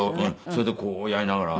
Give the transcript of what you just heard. それでこうやりながら。